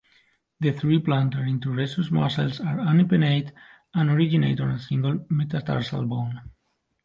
The three plantar interosseous muscles are unipennate and originate on a single metatarsal bone.